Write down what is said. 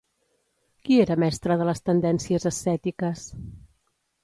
Qui era mestre de les tendències ascètiques?